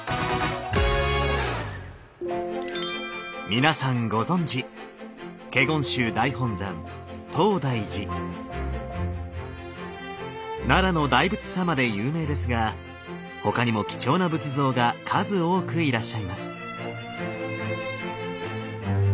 皆さんご存じ奈良の大仏様で有名ですが他にも貴重な仏像が数多くいらっしゃいます。